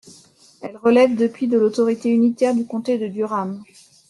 Elle relève depuis de l'autorité unitaire du comté de Durham.